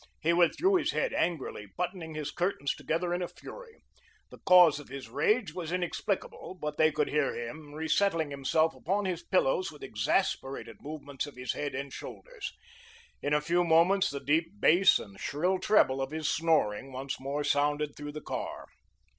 He withdrew his head angrily, buttoning his curtains together in a fury. The cause of his rage was inexplicable, but they could hear him resettling himself upon his pillows with exasperated movements of his head and shoulders. In a few moments the deep bass and shrill treble of his snoring once more sounded through the car.